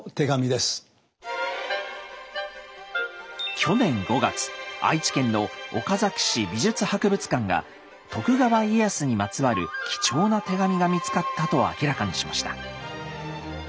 去年５月愛知県の岡崎市美術博物館が徳川家康にまつわる貴重な手紙が見つかったと明らかにしました。